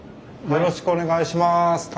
よろしくお願いします。